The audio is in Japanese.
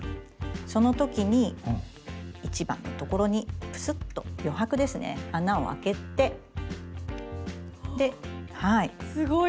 その時に１番のところにプスッと余白ですね穴を開けてではい。